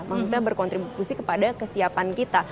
maksudnya berkontribusi kepada kesiapan kita